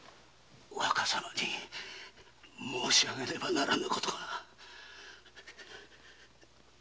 若様に申し上げねばならぬ事が。